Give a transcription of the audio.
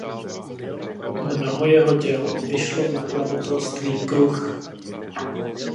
Mnoho jeho děl vyšlo v nakladatelství Kruh.